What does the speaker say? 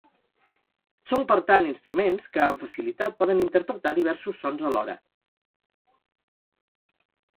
Són, per tant, instruments que, amb facilitat, poden interpretar diversos sons alhora.